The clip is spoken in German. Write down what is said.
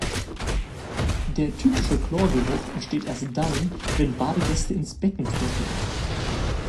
Der typische Chlorgeruch entsteht erst dann, wenn Badegäste ins Becken pinkeln.